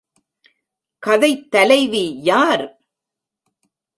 கதைத் தலைவி யார்?